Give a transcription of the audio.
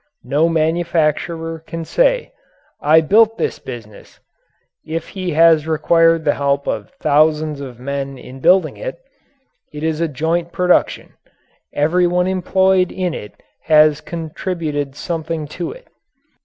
No manufacturer can say: "I built this business" if he has required the help of thousands of men in building it. It is a joint production. Everyone employed in it has contributed something to it.